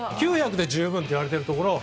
９００で十分と言われているところを。